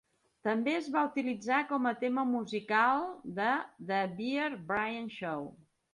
També es va utilitzar com a tema musical de "The Bear Bryant Show".